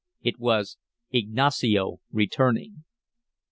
It was Ignacio returning!